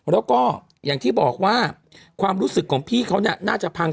แล้วก็อย่างที่บอกว่าความรู้สึกของพี่เขาเนี่ยน่าจะพัง